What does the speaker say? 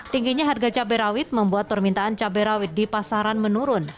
tingginya harga cabai rawit membuat permintaan cabai rawit di pasaran menurun